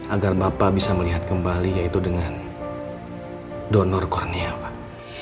agar bapak bisa melihat kembali yaitu dengan donor kurniawan